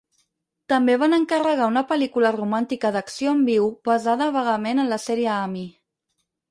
També van encarregar una pel·lícula romàntica d'acció en viu basada vagament en la sèrie "Ami".